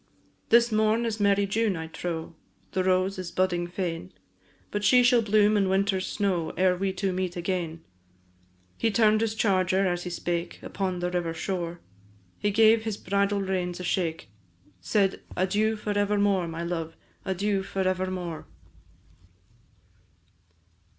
"This morn is merry June, I trow, The rose is budding fain; But she shall bloom in winter snow, Ere we two meet again." He turn'd his charger as he spake, Upon the river shore, He gave his bridle reins a shake, Said, "Adieu for evermore, my love! And adieu for evermore."